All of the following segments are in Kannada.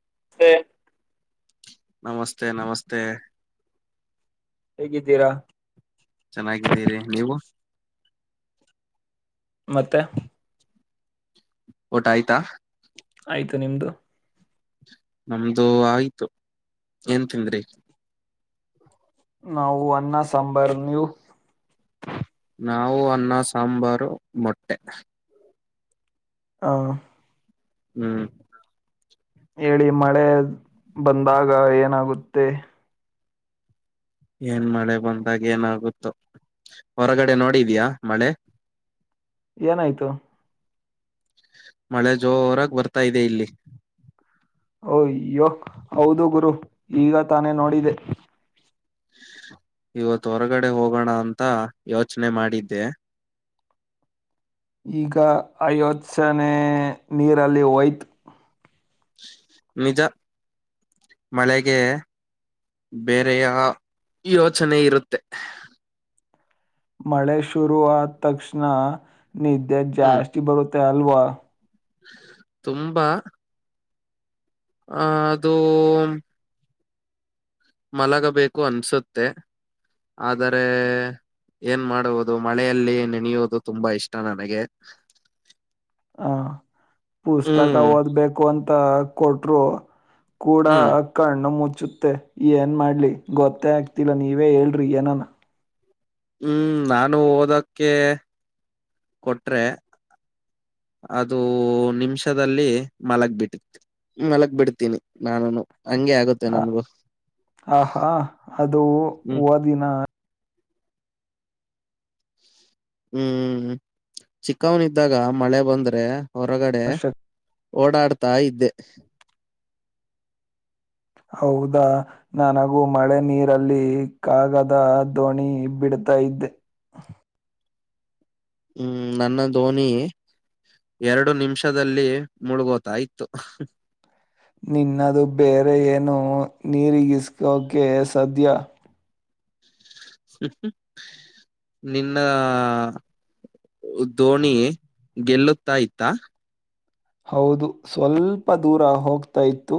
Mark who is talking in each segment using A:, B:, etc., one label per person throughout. A: [unintelligible]
B: ನಮಸ್ತೆ ನಮಸ್ತೆ
A: ಹೇಗಿದ್ದೀರಾ.
B: ಚೆನ್ನಾಗಿದ್ದೀರಿ ನೀವು
A: ಮತ್ತೆ
B: ಊಟ ಆಯ್ತಾ
A: ಆಯ್ತು [unintelligible] ನಿಮ್ದು
B: ನಮ್ದು ಆಯ್ತು ಏನ್ ತಿಂದ್ರಿ.
A: ನಾವು ಅನ್ನ ಸಾಂಬರ್ ನೀವು
B: ನಾವು ಅನ್ನ ಸಾಂಬಾರು ಮೊಟ್ಟೆ
A: ಹ
B: ಹ್ಮ್
A: ಹೇಳಿ ಮಳೆ ಬಂದಾಗ ಏನಾಗುತ್ತೆ.
B: ಏನ್ ಮಳೆ ಬಂದಾಗ ಏನಾಗುಥೋ [unintelligible] ಹೊರಗಡೆ ನೋಡಿದ್ಯಾ ಮಳೆ.
A: ಏನಾಯ್ತು
B: ಮಳೆ ಜೋರಾಗ ಬರ್ತಾ ಇದೆ ಇಲ್ಲಿ.
A: ಓಯ್ಯೋ ಹೌದು ಗುರು ಈಗ ತಾನೇ ನೋಡಿದೆ.
B: ಇವತ್ತು ಹೊರಗಡೆ ಹೋಗೋಣ ಅಂತ ಯೋಚನೆ ಮಾಡಿದ್ದೆ.
A: ಈಗ ಅ ಯೋಚನೆ ನೀರಲ್ಲಿ ಒಯ್ತ್.
B: ನಿಜ ಮಳೆಗೆ ಬೇರೆಯ ಯೋಚನೆ ಇರುತ್ತೆ.
A: ಮಳೆ ಶುರು ಆದ ತಕ್ಷಣ ನಿದ್ದೆ
B: ಹ್ಮ್
A: ಜಾಸ್ತಿ ಬರುತ್ ತೆಲ್ವಾ [unintelligible]
B: ತುಂಬಾ ಹ ಅದು ಮಲಗಬೇಕು ಅನ್ಸುತ್ತೆ ಆದರೆ ಏನ್ ಮಾಡುವುದು ಮಳೆಯಲ್ಲಿ ನೆನೆಯುವುದು ತುಂಬಾ ಇಷ್ಟ ನನಗೆ.
A: ಹ ಪುಸ್ತಕ
B: ಹ್ಮ್
A: ಓದ್ಬೇಕು ಅಂತ ಕೊಟ್ಟರು ಕೂಡ
B: ಹ್ಮ್
A: ಕಣ್ಣು ಮುಚ್ ಚುತ್ತೆ ಏನ್ ಮಾಡ್ಲಿ ಗೊತ್ತೇ ಆಗ್ತಿಲ್ಲ ನೀವೇ ಹೇಳ್ರಿ ಏನಾನ
B: ಹ್ಮ್ ನಾನು ಓದಕ್ಕೆ ಕೊಟ್ರೆ ಅದು ನಿಮಿಷದಲ್ಲಿ ಮಲಗ್ ಬಿಟ್ಟ ಮಲಗ್ ಬಿಡ್ತೀನಿ ನಾನುನು ಹಂಗೆ ಆಗುತ್ತೆ
A: ಹ
B: ನನ್ಗೂ
A: ಆ ಹಾ ಅದು
B: ಹ್ಮ್
A: ಓದಿನ
B: ಹ್ಮ್ ಚಿಕ್ಕವನ್ದಾಗ ಮಳೆ ಬಂದ್ರೆ ಹೊರಗಡೆ
A: ಶಕ್ತಿ.
B: ಓಡಾಡ್ತಾ ಇದ್ದೆ
A: ಹೌದಾ ನನಗೂ ಮಳೆ ನೀರಲ್ಲಿ ಕಾಗದ ದೋಣಿ ಬಿಡ್ತಾ ಇದ್ದೆ.
B: ಹ್ಮ್ ನನ್ನ ದೋಣಿ [unintelligible] ಎರಡು ನಿಮಿಷದಲ್ಲಿ ಮುಳುಗೋತ ಇತ್ತು.
A: ನಿನ್ನದು ಬೇರೆ ಏನೊ ನೀರಿಗಿಸಕೋಕೆ [unintelligible] ಸಧ್ಯ
B: ನಿನ್ನ [unintelligible] ದೋಣಿ ಗೆಲ್ಲುತ್ತಾ ಇತ್ತ.
A: ಹೌದು ಸ್ವಲ್ಪ ದೂರ ಹೋಗ್ತಾ ಇತ್ತು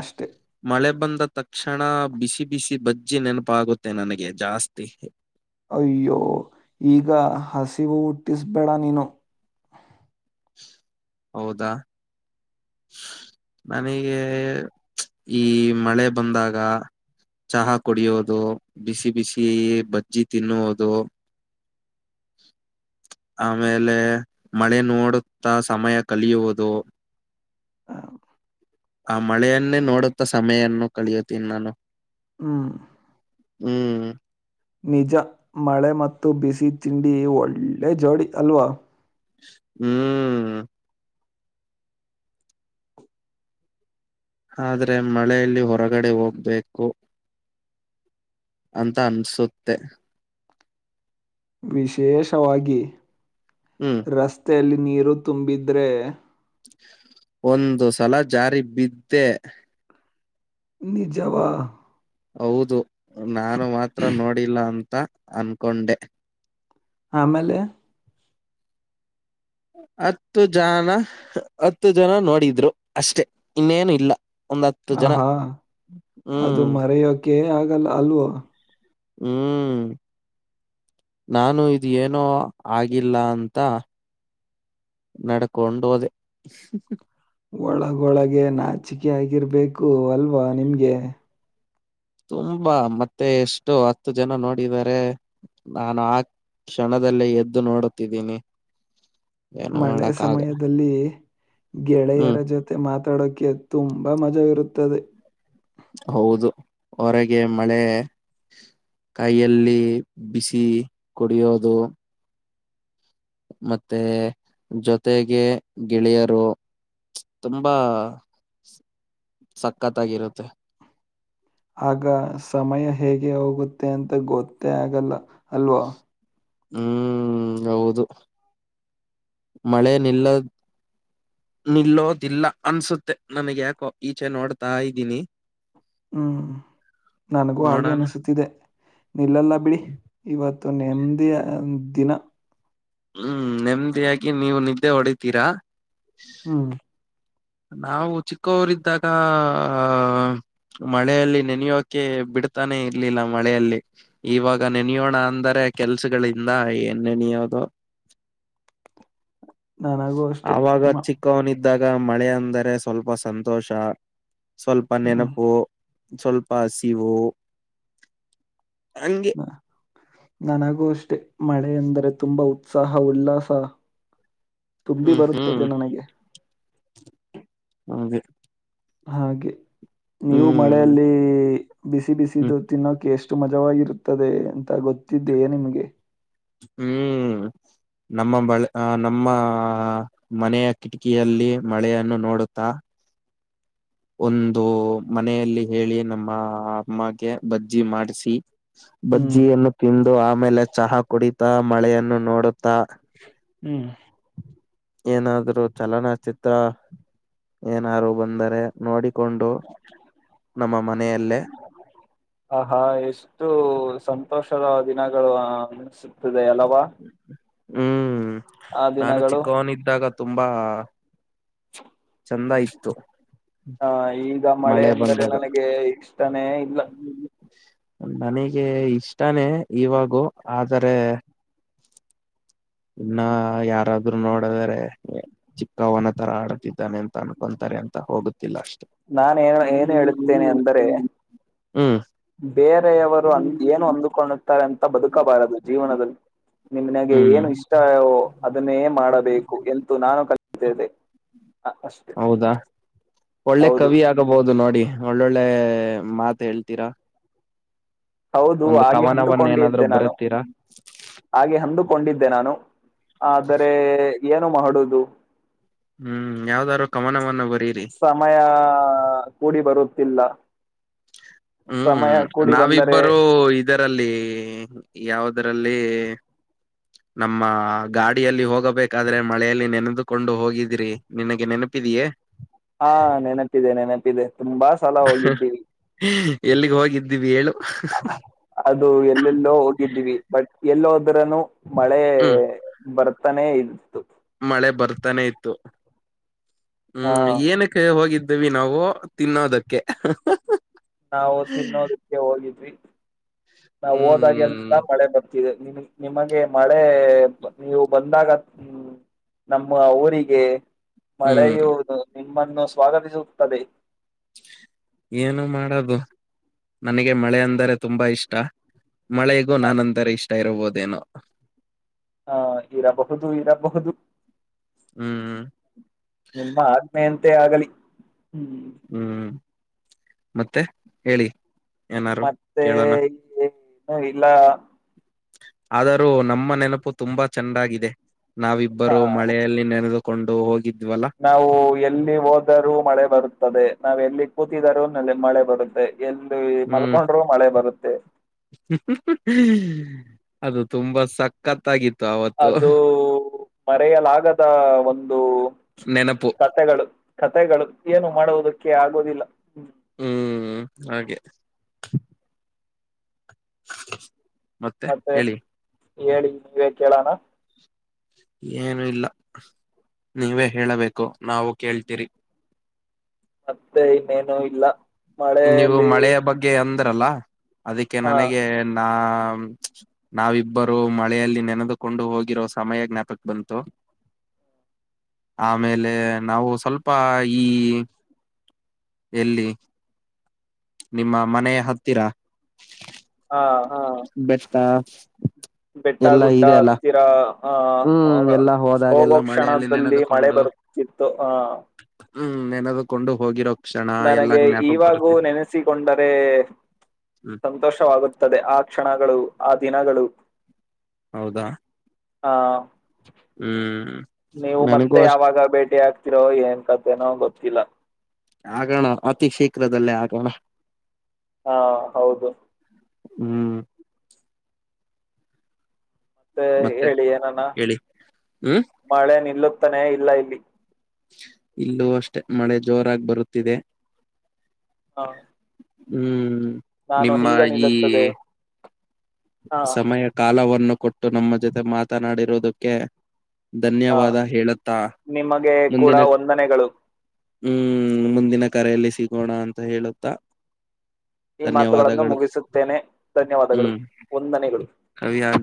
A: ಅಷ್ಟೆ.
B: ಮಳೆ ಬಂದ ತಕ್ಷಣ ಬಿಸಿ ಬಿಸಿ ಬಜ್ಜಿ ನೆನಪ ಆಗುತ್ತೆ ನನಗೆ ಜಾಸ್ತಿ
A: ಅಯ್ಯೋ ಈಗ ಹಸಿವು ಹುಟ್ಟಿಸ್ಬೇಡ ನೀನು
B: ಹೌದಾ ನನಗೆ ಈ ಮಳೆ ಬಂದಾಗ ಚಹಾ ಕುಡಿಯೋದು ಬಿಸಿ ಬಿಸಿ ಬಜ್ಜಿ ತಿನ್ನುವುದು ಆಮೇಲೆ ಮಳೆ ನೋಡುತ್ತಾ ಸಮಯ ಕಲಿಯುವುದು ಆ ಮಳೆಯನ್ನೇ ನೋಡುತ್ತ ಸಮಯನ್ನ ಕಳಿಯುತ್ತೀನಿ ನಾನು
A: ಹ್ಮ್
B: ಹ್ಮ್
A: ನಿಜ ಮಳೆ ಮತ್ತು ಬಿಸಿ ತಿಂಡಿ ಒಳ್ಳೆ ಜೋಡಿ ಅಲ್ವಾ
B: ಹ್ಮ್ ಆದ್ರೆ ಮಳೆಯಲ್ಲಿ ಹೊರಗಡೆ ಹೋಗ್ಬೇಕು ಅಂತ ಅನ್ಸುತ್ತೆ
A: ವಿಶೇಷವಾಗಿ
B: ಹ್ಮ್.
A: ರಷ್ಟತೆ ೆಯಲ್ಲಿ ನೀರು ತುಂಬಿದ್ರೆ
B: ಒಂದು ಸಲ ಜಾರಿ ಬಿದ್ದೆ
A: ನಿಜವಾ
B: ಹೌದು ತ ಅನ್ಕೊಂಡೆ
A: ಆಮೇಲೆ
B: ಹತ್ತು ಜನ ಹತ್ತು ಜನ ನೋಡಿದ್ರು ಅಷ್ಟೆ ಇನ್ನೇನು ಇಲ್ಲ. ಒಂದ್ ಹತ್ತು ಜನ
A: ಆಹಾ ಅದು
B: ಹ್ಮ್
A: ಮರೆಯೋಕೆ ಆಗಲ್ಲಾ ಅಲ್ವಾ
B: ಹ್ಮ್ ನಾನು ಇದ ಏನೋ ಆಗಿಲ್ಲ ಅಂತ ನಡ್ಕೊಂಡ ಹೊದೆ.
A: ಒಳಗ ಗೊಳಗೆ ನಾಚಿಕೆ ಆಗಿರಬೇಕು ಅಲ್ವಾ ನಿಮಗೆ
B: ತುಂಬಾ ಮತ್ತೆ ಎಷ್ಟು ಹತ್ತು ಜನ ನೋಡಿದ್ದಾರೆ ನಾನು ಆ ಕ್ಷಣದಲ್ಲೇ ಎದ್ದು ನೋಡುತ್ತಿದ್ದೀನಿ ಏನು
A: ಮಳೆ
B: ಮಾಡಕ್ ಆಗ
A: ಸಮಯದಲ್ಲಿ
B: ಹ್ಮ್
A: ಗೆಳೆಯರ ಜೊತೆ ಮಾತಾಡೋ ಕ್ಕೆ ತುಂಬಾ ಮಜಾ ಇರುತ್ತದೆ.
B: ಹೌದು ಹೊರಗೆ ಮಳೆ, ಕೈಯಲ್ಲಿ ಬಿಸಿ ಕುಡಿಯೋದು ಮತ್ತೆ ಜೊತೆಗೆ ಗೆಳೆಯರು ತುಂಬಾ ಸಕ್ಕತ್ತಾಗಿರುತ್ತೆ.
A: ಆಗ ಸಮಯ ಹೇಗೆ ಹೋಗುತ್ತೆ ಅಂತ ಗೊತ್ತೇ ಆಗಲ್ಲ. ಅಲ್ವಾ
B: ಹ್ಮ್ ಹೌದು ಮಳೆ ನಿಲ್ಲದ್ ನಿಲ್ಲೋದಿಲ್ಲ ಅನ್ಸುತ್ತೆ ನಂಗೆ ಯಾಕೋ ಈಚೆ ನೋಡ್ತಾ ಇದ್ದೀನಿ.
A: ಹ್ಮ್ ನನಗೂ ಹಾಗೆ
B: ನೋಡೋಣ
A: ಅನಿಸುತ್ತಿದೆ ನಿಲ್ಲಲ್ಲ ಬಿಡಿ ಇವತ್ತ ತ ನೆಮ್ಮದಿಯ ದಿನ.
B: ಹ್ಮ್ ನೆಮ್ಮದಿಯಾಗಿ ನೀವು ನಿದ್ದೆ ಹೊಡಿತೀರಾ
A: ಹ್ಮ್
B: ನಾವು ಚಿಕ್ಕವರಿದ್ದಾಗ ಆ ಮಳೆಯಲ್ಲಿ ನೆನೆಯೋಕೆ ಬಿಡ್ತಾನೆ ಇರ್ಲಿಲ್ಲ ಮಳೆಯಲ್ಲಿ ಇವಾಗ ನೆನೆಯೋಣ ಅಂದರೆ ಕೆಲ್ಸಗಳಿಂದ ಏನ್ ನೆನೆಯೋದೋ
A: ನನಗೂ ಅಷ್ಟೇ.
B: ಅವಾಗ
A: ಮ
B: ಚಿಕ್ಕವನ ದಾಗ ಮಳೆ ಅಂದರೆ ಸ್ವಲ್ಪ ಸಂತೋಷ ಸ್ವಲ್ಪ
A: ಹ್ಮ್,
B: ನೆನಪು, ಸ್ವಲ್ಪ ಹಸಿವು, ಹಂಗೆ
A: ಹ ನನಗೂ ಅಷ್ಟೆ ಮಳೆ ಎಂದರೆ ತುಂಬಾ ಉತ್ಸಾಹ ಉಲ್ಲಾಸ ತುಂಬಿ ಬರುತ್ತದೆ ನನಗೆ.
B: ಮುಗಿತು
A: ಹಾಗೆ ನೀವು ಮಳೆಯಲ್ಲಿ ಬಿಸಿ
B: ಹ್ಮ್
A: ಬಿಸಿದು ತಿನ್ನೋಕ ಎಷ್ಟ ಮಜವಾಗಿರುತ್ತದೆ ಅಂತ ಗೊತ್ತಿದೆಯೇ ನಿಮ್ಗೆ.
B: ಹ್ಮ್ ನಮ್ಮ ಮನೆಯ ಕಿಟಕಿಯಲ್ಲಿ ಮಳೆಯನ್ನು ನೋಡುತ್ತಾ ಒಂದು ಮನೆಯಲ್ಲಿ ಹೇಳಿ ನಮ್ಮ ಅಮ್ಮಗೆ ಬಜ್ಜಿ ಮಾಡಿಸಿ
A: ಹ್ಮ್
B: ಬಜ್ಜಿಯನ್ನು ತಿಂದ ದು ಆಮೇಲೆ ಚಹಾ ಕುಡಿತ ಮಳೆಯನ್ನು ನೋಡುತ್ತ ತ್ತಾ
A: ಹ್ಮ್
B: ಏನಾದರು ಚಲನ ಚಿತ್ರ ಏನಾರು ಬಂದರೆ ನೋಡಿ ಮನೆಯಲ್ಲೇ
A: ಆ ಹಾ ಎಷ್ಟು ಸಂತೋಷದ ದಿನಗಳು ಹ ಇ ಅಲವಾ
B: ಹ್ಮ್ ನಾನು ಚಿಕ್ಕವನಿದ್ದ್ದಾಗ ತುಂಬಾ ಚಂದ ಇತ್ತು
A: ಹ ಈಗ ಮಳೆ ಅಂದರೆ ನನಗೆ ಆಗುತ್ತಾನೆ ಇಲ್ಲ
B: ನನಗೆ ಇಷ್ಟಾನೇ ಇವಾಗು ಆದರೆ ಇನ್ನ್ಯಾರಾದ್ರರು ನೋಡದ್ರೆ ಚಿಕ್ಕವನ ತರ ಆಡ್ತಿದ್ದಾನೆ ಅಂತ ಅನ್ಕೊಂತಾರೆ ಅಂತ ಹೋಗುತ್ತಯಿಲ್ಲ
A: ನಾನ ಏನು ಏನು ಹೇಳುತ್ತೇನೆ ಅಂದರೆ
B: ಹ್ಮ್
A: ಬೇರೆಯವರು ಅಂದ ಏನು ಅಂದಕೊಂಡ ರೆ ಅಂತ ಬದುಕಬಾರದು ಜೀವನದಲ್ಲಿ ನಿಮ್ನಗೆ
B: ಹ್ಮ್
A: ಏನು ಇಷ್ಟವೋ ಅದನ್ನೇ ಮಾಡಬೇಕು ಎಂತೂ ನಾನು ಕಲತೆದೆ
B: ಹೌದಾ ಒಳ್ಳೆ
A: ಹೌದು
B: ಕವಿ ಆಗಬಹುದು ನೋಡಿ ನೋ ಒಳ್ಳೊಳ್ಳೆ ಮಾತ ಹೇಳ್ತೀರಾ
A: ಹೌದು
B: ಒಂದು
A: ಹಾಗೆ
B: ಕವನವನ್ನ ಏನಾದ್ರು
A: ಹಂದುಕೊಂಡಿದ್ದೆ ನಾನು
B: ಬರುತ್ತೀರಾ
A: ಹಾಗೆ ಅಂದುಕೊಂಡಿದ್ದೆ ನಾನು ಆದರೆ ಏನು ಮಾಡುವುದು
B: ಹ್ಮ್ ಯಾವ್ದಾದ್ರು ಕವನವನ್ನ ಬರೀರಿ
A: ಸಮಯ ಕೂಡಿ ಬರುತ್ತೆ ತಿಲ್ಲ ಸಮಯ ಕೂಡಿ ಬಂದರೆ
B: ಇಬ್ಬರು ಇದರಲ್ಲಿ ಯ ಯಾವುದ್ರಲ್ಲಿ ನಮ್ಮ ಗಾಡಿಯಲ್ಲಿ ಹೋಗಬೇಕಾದ್ರೆ ಮಳೆಯಲ್ಲಿ ನೆನೆದುಕೊಂಡು ಹೋಗಿದ್ರಿ ನಿನಗೆ ನೆನಪಿದಯೇ
A: ಹಾ ನೆನಪಿದೆ ನೆನಪಿದೆ ತುಂಬಾ ಸಲ ಹೋಗಿದ್ದೀವಿ
B: ಎಲ್ಲಿಗ್ ಹೋಗಿದ್ದೀವಿ ಹೇಳು
A: ಅದು ಎಲ್ಲೆಲ್ಲೋ ಹೋಗಿದ್ದೀವಿ ಬಟ್ ಎಲ್ಲ ನ್ನು ಮಳೆ
B: ಹ್ಮ್
A: ಬರುತ್ತ ಬರತಾನೇ ಇತ್ತು.
B: ಮಳೆ ಬರ್ತಾನೆ ಇತ್ತು.
A: ಹಾ
B: ಹ್ಮ್ ಏನಕ್ಕೆ ಹೋಗಿದ್ದ. ಇದವಿ ನಾವು ತಿನ್ನೋದಕ್ಕೆ
A: ನಾವು ತಿನ್ನೋದಕ್ಕೆ ಹೋಗಿದ್ವಿ. ನಾ ಹೋದಾಗೆ
B: ಹ್ಮ್
A: ಎಲ್ಲ ಮಳೆ ಬರ್ತಿದೆ. ನಿಮಗೆ ಮಾಡ ಹೇ ನೀವು ಬಂದಾಗ ಹ್ಮ್ ನಮ್ಮ ಊರಿಗೆ ಮಳೆ
B: ಹ್ಮ್
A: ಹೌದು ನಮ್ಮನ್ನು ಸ್ವಾಗತಿಸುತ್ತದೆ.
B: ಏನು ಮಾಡೋದು ನನಗೆ ಮಳೆ ಅಂದರೆ ತುಂಬಾ ಇಷ್ಟ. ಮಳೆಗೂ ನಾನ್ ಅಂದರೆ ಇಷ್ಟ ಇರಬಹುದು. ಅದೇನು [inaudible]
A: ಹಾ ಇರಬಹುದು ಇರಬಹುದು...
B: ಹ್ಮ್್ಮ
A: ನಿಮ್ಮ ಆಜ್ಞೆಯಂತೆ ಆಗಲಿ ಹ್ಮ್
B: ಹ್ಮ್... ಮತ್ತೆ? ಹೇಳಿ.. ಏನಾರು
A: ಮತ್ತೆ
B: ಕೇಳೋಣ
A: ಏನು ಇಲ್ಲ.
B: ಆದರೂ ನಮ್ಮ ನೆನಪು ತುಂಬಾ ಚೆನ್ನಾಗಿದೆ.
A: ಹಾ
B: ನಾವಿಬ್ಬರು ಮಳೆಯಲ್ಲಿ ನೆನೆದು. ಕೊಂಡು ಹೋಗಿದ್ದ.
A: ನಾವು ಎಲ್ಲಿ ಹೋದರೂ ಮಳೆ ಬರುತ್ತದೆ. ನಾವ್ ಎಲ್ಲಿ ಕೂತಿದರ ಅಲ್ಲಿ ಮಳೆ ಬರುತ್ತೆ ಎಲ್ಲಿ
B: ಹ್ಮ್
A: ಮಲ್ಕೊಂಡ್ರರು ಮಳೆ ಬರುತ್ತೆ.
B: ಅದು ತುಂಬಾ ಸಕ್ಕತ್.
A: ಅದು...? ಮರೆಯಲಾಗದ ಒಂದು ಒಂದು
B: ನೆನಪು
A: ಕಥೆಗಳು ಕಥೆಗಳು ಏನು ಮಾಡುವುದಕ್ಕೆ ಆಗೋದಿಲ್ಲ
B: ಹ್ಮ್ ಹಾಗೆ ಮತ್ತೆ ಹೇಳಿ
A: ಹೇಳಿ ನೀವೇ ಕೇಳೋಣ
B: ಏನು ಇಲ್ಲ ನೀವೇ ಹೇಳಬೇಕು ನಾವು ಕೇಳ್ತೀರಿ
A: ಮತ್ತೆ ಇನ್ನೇನು ಇಲ್ಲಾ
B: ನೀವು ಮಳೆಯ ಬಗ್ಗೆ ಎ ರಲ್ಲ ಅದಕ್ಕೆ
A: ಹಾ
B: ನನಗೆ ನಾ ನಾವಿಬ್ಬರು ಮಳೆಯಲ್ಲಿ ನೆನೆದುಕೊಂಡು ಹೋಗಿರೋ ಸಮಯ ಜ್ಞಾಪಕ್ ಬಂತು ಆಮೇಲೆ ನಾವು ಸ್ವಲ್ಪ ಈ ಎಲ್ಲಿ ನಿಮ್ಮ ಮನೆ ಹತ್ತಿರ ಹಾ ಬೆ ಹಾ
A: ಬೆಟ್ಟ ಗುಡ್ಡ ಹತ್ತಿರಾ ಹ
B: ಹ್ಮ್ ಎಲ್ಲಾ ಹೋದಾಗೆಲ್ಲ
A: ಹೋಗುವ
B: ಮಳೆಯಲ್ಲಿ
A: ಕ್ಷಣದಲ್ಲಿ ಮಳೆ
B: ನೆನೆದುಕೊಂಡು
A: ಬರ್ತಿತ್ತು ಹಹ
B: ಹ್ಮ್ ನೆನದದುಕೊಂಡು ಹೋಗಿರೋ ಕ್ಷಣ ಎಲ್ಲ
A: ನನಗೆ
B: ಜ್ಞಾಪಕ
A: ಇವಾಗೂ
B: ಬರುತ್ತಿತ್ತು
A: ನೆನೆಸಿಕೊಂಡರೆ
B: ಹ್ಮ್
A: ಸಂತೋಷವಾಗುತ್ತದೆ ಆ ಕ್ಷಣಗಳು, ಆ ದಿನಗಳು,
B: ಹೌದಾ
A: ಹಾ
B: ಹ್ಮ್
A: ನೀವು
B: ನನಗೂ
A: ಮತ್ತೆ
B: ಅಷ್ಟ
A: ಯಾವಾಗ ಭೇಟಿ ಆಗ್ತಿರೋ ಏನ್ ಕತೆನೋ ಗೊತ್ತಿಲ್ಲಾ
B: ಆಗೋಣ ಅತಿ ಶೀಘ್ರದಲ್ಲೇ ಆಗೋಣ
A: ಹಾ ಹೌದು
B: ಹ್ಮ್
A: ಮತ್ತೆ ಹೇಳಿ ಏನಾನ
B: ಹೇಳಿ ಹ್ಮ್
A: ಮಳೆ ನಿಲ್ಲು ತಾನೇ ಇಲ್ಲ ಇಲ್ಲಿ
B: ಇಲ್ಲೂ ಅಷ್ಟೆ ಮಳೆ ಜೋರಾಗಿ ಬರುತ್ತಿದೆ.
A: ಹಾ
B: ಹ್ಮ್
A: ನಾನು
B: ನಿಮ್ಮ
A: ಹೀಗ
B: ಈ
A: ನಿಲ್ಲುತ್ತದೆ ಹಾ
B: ಸಮಯ ಕಾಲವನ್ನು ಕೊಟ್ಟು ನಮ್ಮ ಜೊತೆ ಮಾತನಾಡಿರೊ ಅದಕ್ಕೆೆ
A: ಹಾ ನಿಮಗೆ ಕೂಡ
B: ಮುಂದಿನ
A: ವಂದನೆಗಳು
B: ಹ್ಮ್ ಮುಂದಿನ ಕರೆಯಲ್ಲಿ ಸಿಗೋಣ ಅಂತ ಹೇಳುತ್ತ
A: ಈ ಮಾತುಗಳನ್ನು ಮುಗಿಸುತ್ತೇನೆ ಧನ್ಯವಾದಗಳು
B: ಹ್ಮ್
A: ಒಂದನೆಗಳು
B: ಕವಿಯಾಗು.